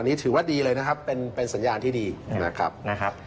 นี่ถือว่าดีเลยนะครับเป็นสัญญาณที่ดีนะครับ